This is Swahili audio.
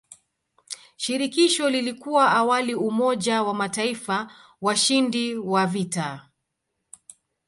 Shirikisho lilikuwa awali umoja wa mataifa washindi wa vita.